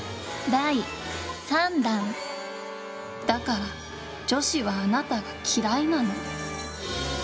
だから女子はあなたが嫌いなの。